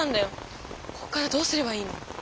ここからどうすればいいの？